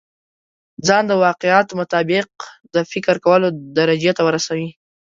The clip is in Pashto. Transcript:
ځان د واقعيت مطابق د فکر کولو درجې ته ورسوي.